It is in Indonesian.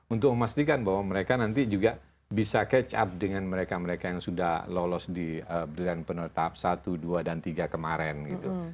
untuk memastikan bahwa mereka nanti juga bisa catch up dengan mereka mereka yang sudah lolos di brilliantpreneur tahap satu dua dan tiga kemarin gitu